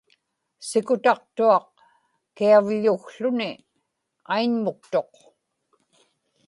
sikutaqtuaq kiavḷukłuni aiñmuktuq